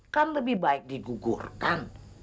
kan lebih baik digugurkan